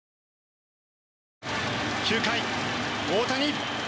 ９回、大谷。